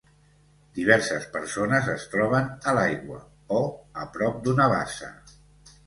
Diverses persones es troben a l'aigua o a prop d'una bassa